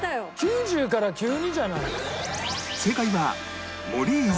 ９０から急にじゃない。